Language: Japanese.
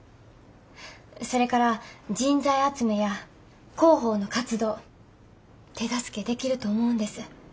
それから人材集めや広報の活動手助けできると思うんです。